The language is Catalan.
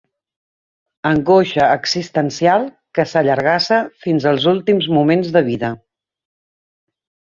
Angoixa existencial que s'allargassa fins als últims moments de vida.